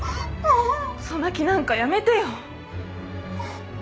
嘘泣きなんかやめてよ。